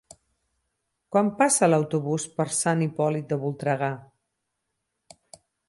Quan passa l'autobús per Sant Hipòlit de Voltregà?